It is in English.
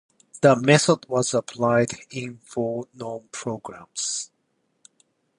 The method was applied in four known programs.